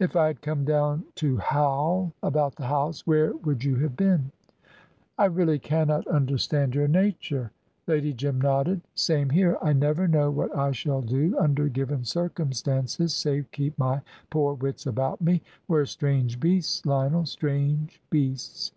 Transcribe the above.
If I had come down to howl about the house, where would you have been?" "I really cannot understand your nature." Lady Jim nodded. "Same here. I never know what I shall do under given circumstances, save keep my poor wits about me. We're strange beasts, Lionel strange beasts."